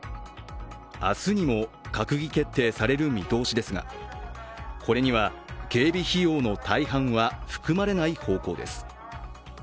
明日にも閣議決定される見通しですが、これには警備費用の大半は含まれない方向です。